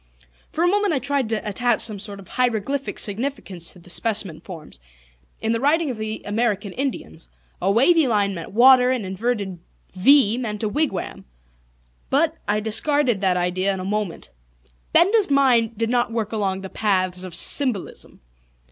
For a moment I tried to attach some sort of heiroglyphic significance to the specimen forms; in the writing of the American Indians, a wavy line meant water, an inverted V meant a wigwam. But, I discarded that idea in a moment. Benda's mind did not work along the paths of symbolism.